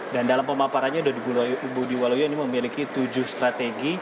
dan dalam pemaparannya dodi budiwaluyo ini memiliki tujuh strategi